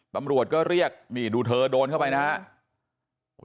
ตำรวจก็เรียกดูเธอโดนเข้าไปนะฮะ